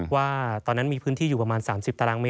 ว่าตอนนั้นมีพื้นที่อยู่ประมาณ๓๐ตารางเมต